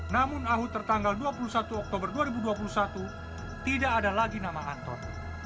namun ahok tertanggal dua puluh satu oktober dua ribu dua puluh satu tidak ada lagi nama anton